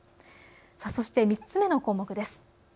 そして３つ目の項目です。